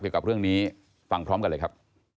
เกี่ยวกับเรื่องนี้ฟังพร้อมกันเลยครับ